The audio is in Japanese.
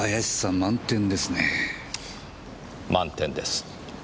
満点です。